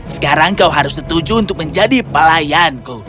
sekarang kau harus setuju untuk menjadi pelayanku